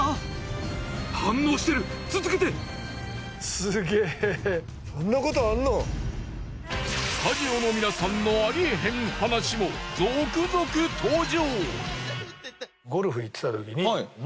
スタジオの皆さんのありえへん話も続々登場！？